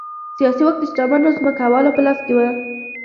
سیاسي واک د شتمنو ځمکوالو په لاس کې و.